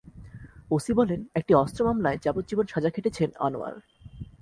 OC বলেন, একটি অস্ত্র মামলায় যাবজ্জীবন সাজা খেটেছেন আনোয়ার।